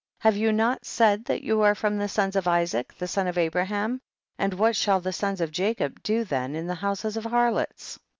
have you not said that you are from the sons of Isaac, the son of Abraham, and what shall the sons of Jacob do theyi in the houses of harlots